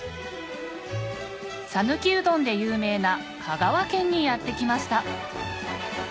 讃岐うどんで有名な香川県にやって来ました